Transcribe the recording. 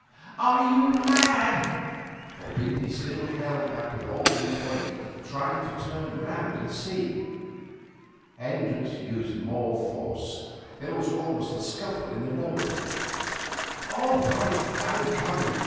Are you mad?' For Bindy still held back with all his weight, trying to turn round and see. Hendricks used more force. There was almost a scuffle in the road. 'All right, I'm coming.